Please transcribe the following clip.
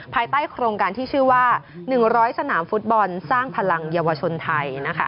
ภายใต้โครงการที่ชื่อว่า๑๐๐สนามฟุตบอลสร้างพลังเยาวชนไทย